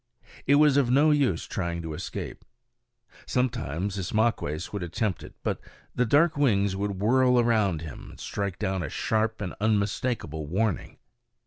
It was of no use trying to escape. Sometimes Ismaques would attempt it, but the great dark wings would whirl around him and strike down a sharp and unmistakable warning.